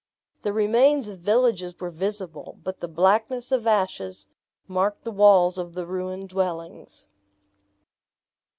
The remains of villages were visible; but the blackness of ashes marked the walls of the ruined dwellings.